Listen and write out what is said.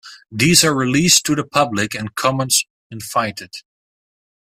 These are released to the public and comments invited.